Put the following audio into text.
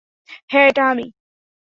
হ্যাঁ এটা আমি।